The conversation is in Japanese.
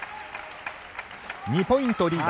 ２ポイント、リード。